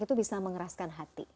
itu bisa mengeraskan hati